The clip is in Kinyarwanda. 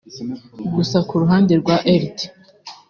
Gusa ku ruhande rwa Lt